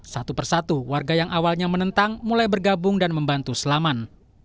satu persatu warga yang awalnya menentang mulai bergabung dan membantu selamat